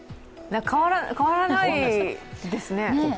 変わらないですね。